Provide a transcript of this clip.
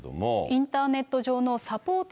インターネット上のサポート